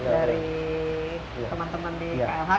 dari teman teman di klhk ya